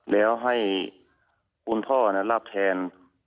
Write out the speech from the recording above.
แล้วให้คุณพ่อรับแทน